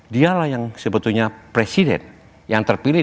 dialah yang sebetulnya presiden yang terpilih